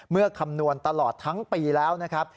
คำนวณตลอดทั้งปีแล้วนะครับ